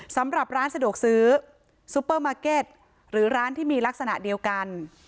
สำหรับร้านสะดวกซื้อซุปเปอร์มาร์เก็ตหรือร้านที่มีลักษณะเดียวกัน